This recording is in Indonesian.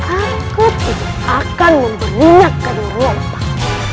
aku tidak akan memperniangkan rontak